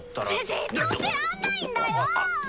じっとしてらんないんだよ！